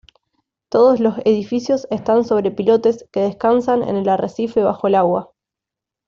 Todos los edificios están sobre pilotes que descansan en el arrecife bajo el agua.